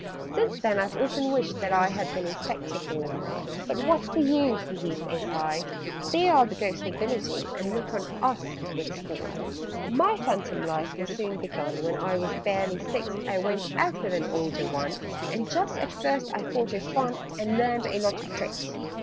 "Since then I've often wished that I Had been a Spectre born. But what's the use?" (He heaved a sigh). "They are the ghost nobility, And look on us with scorn. "My phantom life was soon begun: When I was barely six, I went out with an older one And just at first I thought it fun, And learned a lot of tricks.